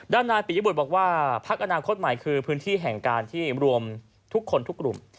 นายปิยบุตรบอกว่าพักอนาคตใหม่คือพื้นที่แห่งการที่รวมทุกคนทุกกลุ่ม